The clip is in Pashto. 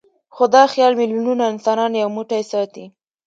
خو دا خیال میلیونونه انسانان یو موټی ساتي.